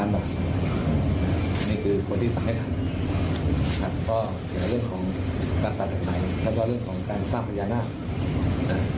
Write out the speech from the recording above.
แล้วก็เรื่องของการสร้างพยานาภ